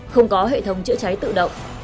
không có hệ thống chữa cháy tự động